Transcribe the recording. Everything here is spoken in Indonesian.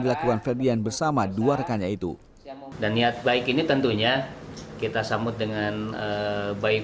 dilakukan febian bersama dua rekannya itu dan niat baik ini tentunya kita sambut dengan baik